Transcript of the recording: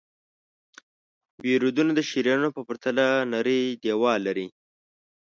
وریدونه د شریانونو په پرتله نری دیوال لري.